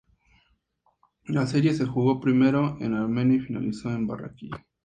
La serie se jugó primero en Armenia y finalizó en Barranquilla.